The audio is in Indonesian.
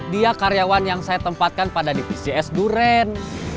dia karyawan yang saya tempatkan pada divisi es durian